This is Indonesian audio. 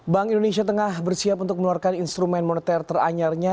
bank indonesia tengah bersiap untuk meluarkan instrumen moneter teranyarnya